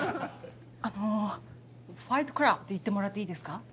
あの「ファイト・クラブ」って言ってもらっていいですか？